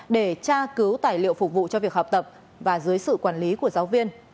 để tra cứu tài liệu phục vụ cho việc học tập và dưới sự quản lý của giáo viên